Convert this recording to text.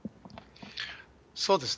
そうですね。